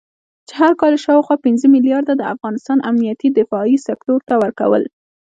چې هر کال یې شاوخوا پنځه مليارده د افغانستان امنيتي دفاعي سکتور ته ورکول